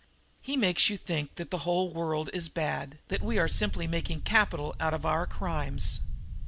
He makes you think that the whole world is bad, that we are simply making capital out of our crimes.